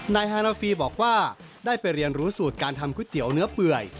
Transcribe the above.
ฮานาฟีบอกว่าได้ไปเรียนรู้สูตรการทำก๋วยเตี๋ยวเนื้อเปื่อย